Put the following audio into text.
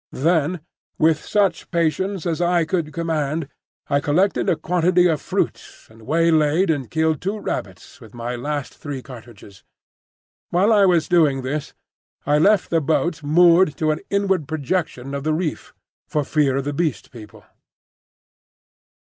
Then, with such patience as I could command, I collected a quantity of fruit, and waylaid and killed two rabbits with my last three cartridges. While I was doing this I left the boat moored to an inward projection of the reef, for fear of the Beast People.